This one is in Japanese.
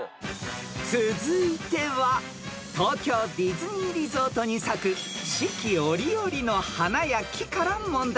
［続いては東京ディズニーリゾートに咲く四季折々の花や木から問題］